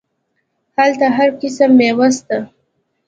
هلته هر قسم ميوه سته.